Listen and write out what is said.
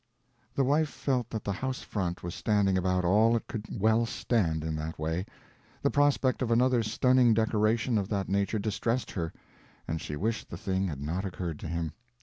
The wife felt that the house front was standing about all it could well stand, in that way; the prospect of another stunning decoration of that nature distressed her, and she wished the thing had not occurred to him.